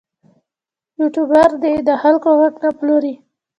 یوټوبر دې د خلکو غږ نه پلوري.